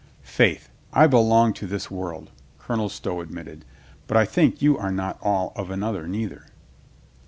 "Faith, I belong to this world," Colonel Stow ad mitted. "But I think you are not all of another neither."